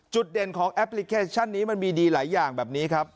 เด่นของแอปพลิเคชันนี้มันมีดีหลายอย่างแบบนี้ครับ